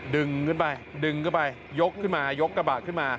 ดึงขึ้นไปยกขึ้นมายกกระบะขึ้นมา